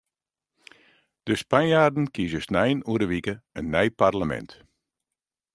De Spanjaarden kieze snein oer in wike in nij parlemint.